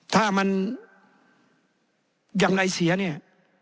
ถ้ามันอย่างไรเสียเนี่ย